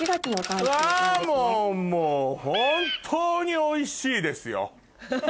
うわもうもう本当においしいですよ。